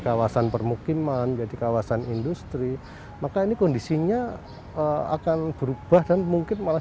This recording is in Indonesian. kawasan permukiman jadi kawasan industri maka ini kondisinya akan berubah dan mungkin malah